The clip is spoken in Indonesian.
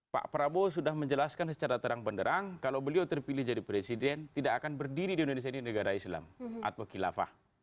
pak prabowo sudah menjelaskan secara terang benderang kalau beliau terpilih jadi presiden tidak akan berdiri di indonesia ini negara islam atau kilafah